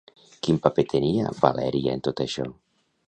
Quin paper tenia Valèria en tot això?